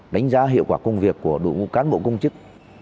đánh giá hiệu quả công việc của đội ngũ cán bộ công chức